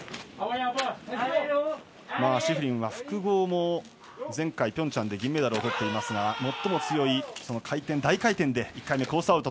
シフリンは複合も前回ピョンチャンで銀メダルをとっていますが最も強い回転、大回転で１回目でコース